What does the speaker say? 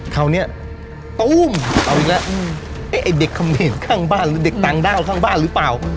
คราวนี้โต้มเอาอีกแล้ว